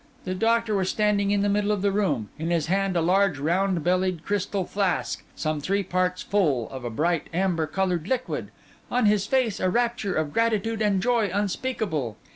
The doctor was standing in the middle of the room; in his hand a large, round bellied, crystal flask, some three parts full of a bright amber coloured liquid; on his face a rapture of gratitude and joy unspeakable.